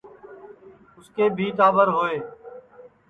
اُسکے بھی ٹاٻر ہوئے